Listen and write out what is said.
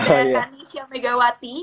ada indonesia megawati